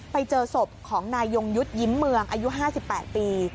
ไปเจอศพของนายยงยุทธ์ยิ้มเมืองอายุ๕๘ปี